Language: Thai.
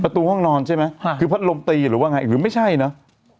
ตู้ห้องนอนใช่ไหมคือพัดลมตีหรือว่าไงหรือไม่ใช่เนอะ